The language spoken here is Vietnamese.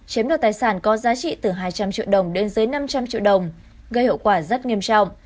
chiếm đoạt tài sản có giá trị từ hai trăm linh triệu đồng đến dưới năm trăm linh triệu đồng gây hậu quả rất nghiêm trọng